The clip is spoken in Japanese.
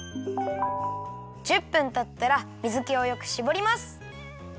１０分たったら水けをよくしぼります。